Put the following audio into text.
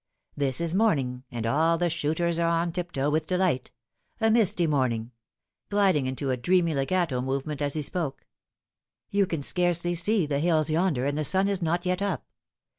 " This is morning, and all the shooters are on tip Lifting the Cwrtain. 125 toe with delight a misty morning," gliding into a dreamy legato movement as he spoke. " You can scarcely see the hills yonder, and the sun is not yet up.